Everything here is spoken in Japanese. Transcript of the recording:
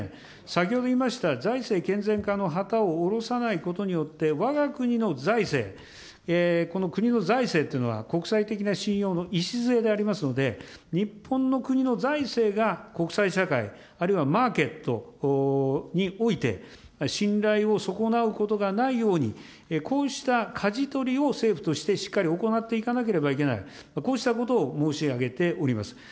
先ほど言いました財政健全化の旗を下ろさないことによって、わが国の財政、この国の財政というのは、国際的な信用の礎でありますので、日本の国の財政が国際社会、あるいはマーケットにおいて、信頼を損なうことがないように、こうしたかじ取りを政府としてしっかり行っていかなければいけない、こうしたことを申し上げております。